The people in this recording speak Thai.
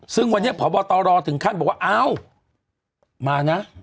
ซึ่งวันนี้พ่อพ่อต้อยรอถึงขั้นบอกว่าอ้าว